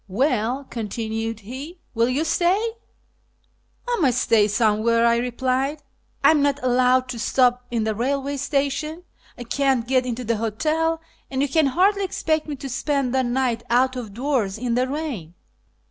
"Well," continued he, " will you stay ?"" I must stay somewhere," I replied ;" I am not allowed to stop in the railway station, I can't get into the hotel, and you can hardly expect me to spend the night out of doors in the rain."